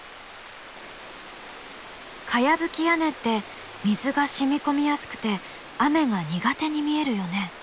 茅葺き屋根って水が染み込みやすくて雨が苦手に見えるよね。